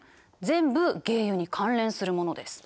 全部鯨油に関連するものです。